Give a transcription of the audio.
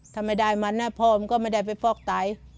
ถ้าไม่ได้มันนะพ่อมันก็ไม่ได้ไปฟอกไต